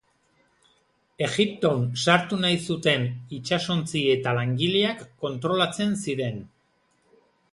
Egipton sartu nahi zuten itsasontzi eta langileak kontrolatzen ziren.